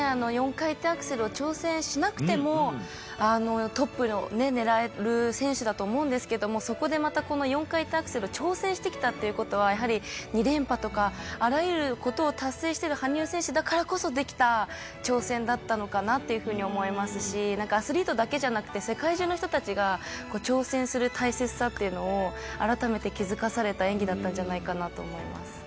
４回転アクセルを挑戦しなくても、トップを狙える選手だと思うんですけれども、そこでまた、この４回転アクセルを挑戦してきたっていうことは、やはり２連覇とか、あらゆることを達成してる羽生選手だからこそできた挑戦だったのかなっていうふうに思いますし、なんかアスリートだけじゃなくて、世界中の人たちが、挑戦する大切さっていうのを、改めて気付かされた演技だったんじゃないかなと思います。